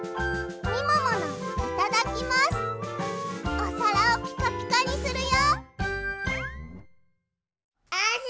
おさらをピカピカにするよ！